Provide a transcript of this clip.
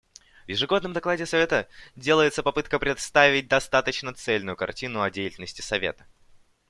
В ежегодном докладе Совета делается попытка представить достаточно цельную картину о деятельности Совета.